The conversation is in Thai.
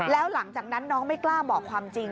แล้วหลังจากนั้นน้องไม่กล้าบอกความจริง